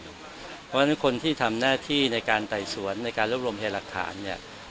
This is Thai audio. เพราะฉะนั้นคนที่ทำหน้าที่ในการไต่สวนในการรวบรวมพยายามหลักฐานเนี่ย